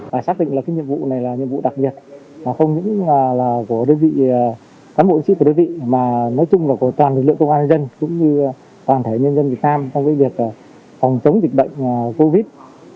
phải xác định là cái nhiệm vụ này là nhiệm vụ đặc biệt không những là của đối vị cán bộ y tế của đối vị mà nói chung là của toàn lực lượng công an dân cũng như toàn thể nhân dân việt nam trong việc phòng chống dịch bệnh covid